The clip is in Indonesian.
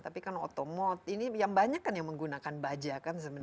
tapi kan otomotif ini yang banyak kan yang menggunakan baja kan sebenarnya